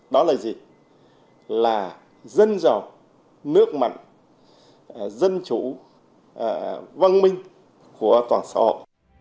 đó là gì là dân giàu nước mạnh dân chủ văn minh của toàn xã hội